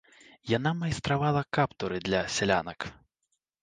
Яна майстравала каптуры для сялянак.